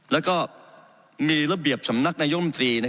แล้วก็มีระเบียบสำนักนายมตรี